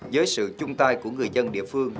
với sự chung tay của người dân địa phương